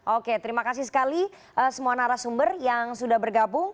oke terima kasih sekali semua narasumber yang sudah bergabung